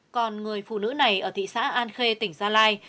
còn người phụ nữ này ở thị xã an khê tỉnh gia lai